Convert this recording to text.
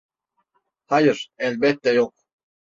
Hayır, elbette yok.